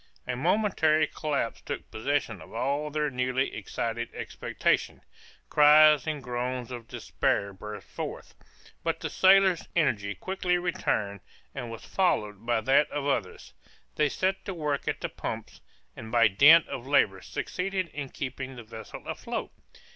A momentary collapse took possession of all their newly excited expectations; cries and groans of despair burst forth, but the sailors' energy quickly returned, and was followed by that of the others; they set to work at the pumps, and by dint of labor succeeded in keeping the vessel afloat.